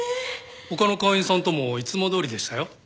他の会員さんともいつもどおりでしたよ。